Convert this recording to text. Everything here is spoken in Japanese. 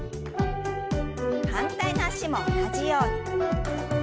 反対の脚も同じように。